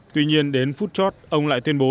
tuy nhiên đến phút chót ông lại tuyên bố